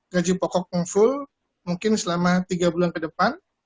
gaji pokok mengfull mungkin selama tiga bulan ke depan